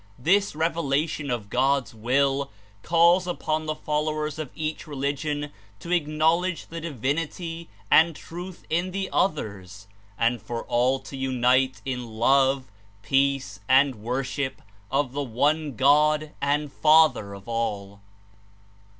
This revel ation of God's Will calls upon the followers of each religion to acknowledge the divinity and truth in the others and for all to unite In love, peace and wor ship of the One God and Father of all.